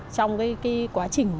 trong cái quá trình